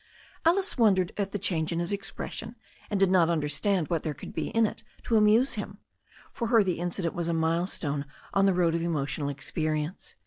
Alice wondered at the change in his expres sion, and did not understand what there could be in it to amuse him. To her the incident was a milestone on the road of emotional experience.